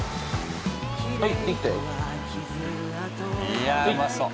いやあうまそう。